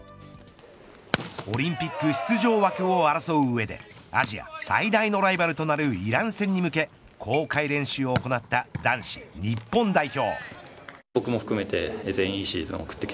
オリンピック出場枠を争う上でアジア最大のライバルとなるイラン戦に向け公開練習を行った男子日本代表。